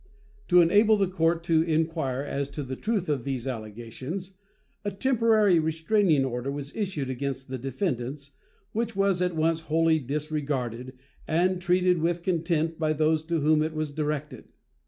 To enable the court to inquire as to the truth of these allegations, a temporary restraining order was issued against the defendants, which was at once wholly disregarded and treated with contempt by those to whom it was directed.